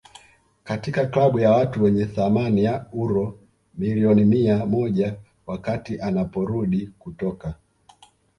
katika klabu ya watu wenye thamani ya uro milioni mia moja wakati anaporudi kutoka